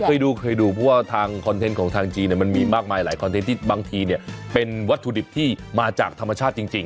เคยดูเคยดูเพราะว่าทางคอนเทนต์ของทางจีนมันมีมากมายหลายคอนเทนต์ที่บางทีเนี่ยเป็นวัตถุดิบที่มาจากธรรมชาติจริง